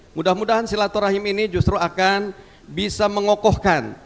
mudah mudahan silaturahim ini justru akan bisa mengokohkan